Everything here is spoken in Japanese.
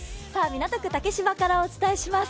港区竹芝からお伝えします。